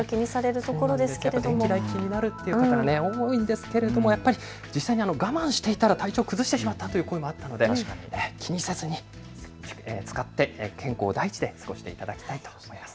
電気代、気になるという方、多いんですけれど実際に我慢していたら体調を崩してしまったという声もあったので使って健康第一に過ごしてほしいと思います。